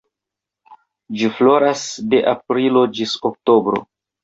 Ĝi floras de aprilo ĝis oktobro.